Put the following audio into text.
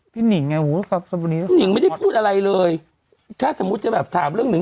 หนิงไงหนิงไม่ได้พูดอะไรเลยถ้าสมมุติจะแบบถามเรื่องหนิง